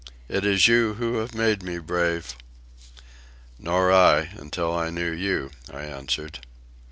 It is you who have made me brave." "Nor I, until I knew you," I answered.